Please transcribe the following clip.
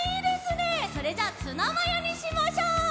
それじゃあツナマヨにしましょう！